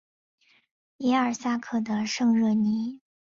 耶尔萨克的圣热尼。